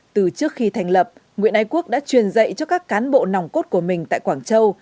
từ trước khi thành lập nguyễn ái quốc đã truyền dạy cho các cán bộ nòng cốt của mình tại quảng châu